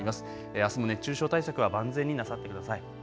あすも熱中症対策は万全になさってください。